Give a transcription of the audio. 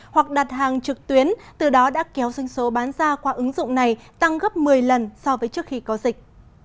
hoặc đặt hàng trực tuyến từ đó đã kéo doanh số bán ra qua ứng dụng này tăng gấp một mươi lần so với trước khi có dịch